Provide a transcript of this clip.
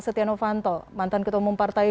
setiano fanto mantan ketua umum partai